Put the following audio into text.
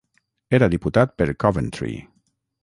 Era diputat per Coventry.